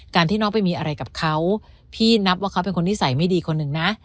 ที่น้องไปมีอะไรกับเขาพี่นับว่าเขาเป็นคนนิสัยไม่ดีคนหนึ่งนะ